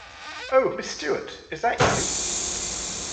Oh, Miss Stewart, is that you?